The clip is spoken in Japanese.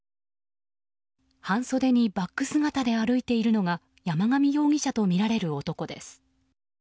半袖にバッグ姿で歩いているのが山上容疑者とみられる男です。